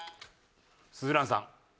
鈴蘭さん。